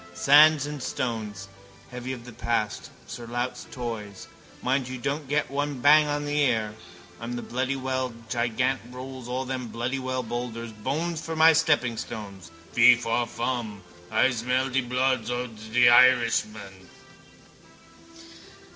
Sands and stones. Heavy of the past. Sir Lout's toys. Mind you don't get one bang on the ear. I'm the bloody well gigant rolls all them bloody well boulders, bones for my steppingstones. Feefawfum. I zmellz de bloodz odz an Iridzman.